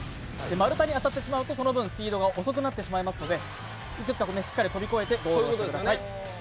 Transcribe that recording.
丸太に当たってしまいますとその分、スピードが遅くなってしまいますのでしっかり跳び越えてゴールをしてください。